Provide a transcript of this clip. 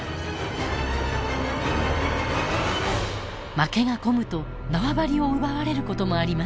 負けが込むと縄張りを奪われることもあります。